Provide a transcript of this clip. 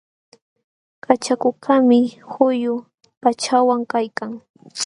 Kachakukaqmi quyu pachawan kaykan.